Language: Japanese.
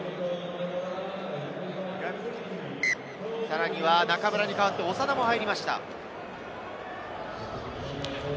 さらには中村に代わって、長田も入りました。